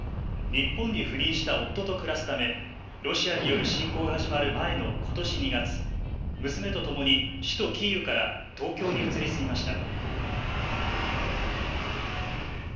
日本に赴任した夫と暮らすためロシアによる侵攻が始まる前のことし２月、娘と共に首都キーウから東京に移り住みました。